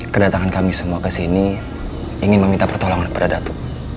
kedatangan kami semua ke sini ingin meminta pertolongan kepada datu